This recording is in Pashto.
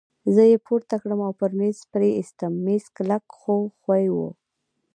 زه يې پورته کړم او پر مېز پرې ایستم، مېز کلک خو ښوی وو.